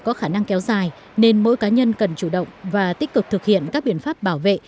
có khả năng kéo dài nên mỗi cá nhân cần chủ động và tích cực thực hiện các biện pháp bảo vệ